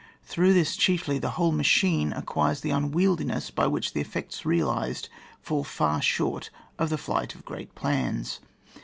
Through this, chiefly, the whole machine acquires that unwieldiness by which the effects realised fall far short of the flight of great plans.